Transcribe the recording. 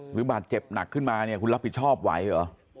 หรือบาดเจ็บหนักขึ้นมาเนี่ยคุณรับผิดชอบไหวเหรอ